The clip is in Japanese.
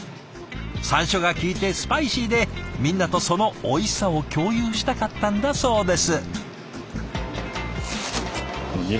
さんしょが効いてスパイシーでみんなとそのおいしさを共有したかったんだそうです。